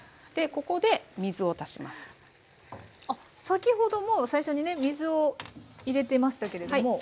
でここで先ほども最初にね水を入れてましたけれども。